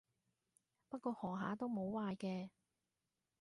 不過學下都冇壞嘅